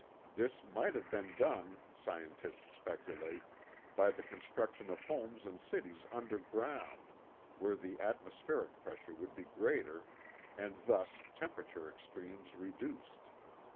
This might have been done, scientists speculate, by the construction of homes and cities underground where the atmospheric pressure would be greater and thus temperature extremes reduced.